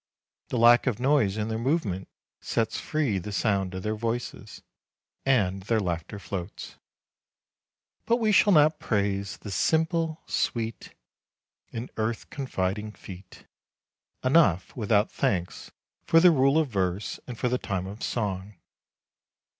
The lack of noise in their movement sets free the sound of their voices, and their laughter floats. But we shall not praise the "simple, sweet" and "earth confiding feet" enough without thanks for the rule of verse and for the time of song.